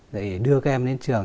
để đưa các em đến trường